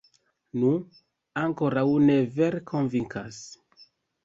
Nu, ankoraŭ ne vere konvinkas.